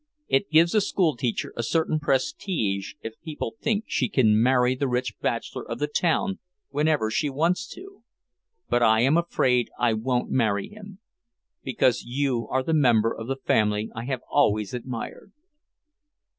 It gives a school teacher a certain prestige if people think she can marry the rich bachelor of the town whenever she wants to. But I am afraid I won't marry him, because you are the member of the family I have always admired."